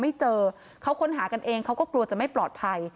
ไม่เจอเขาค้นหากันเองเขาก็กลัวจะไม่ปลอดภัย